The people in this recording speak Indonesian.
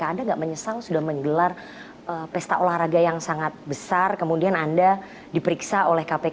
anda nggak menyesang sudah menggelar pesta olahraga yang sangat besar kemudian anda diperiksa oleh kpk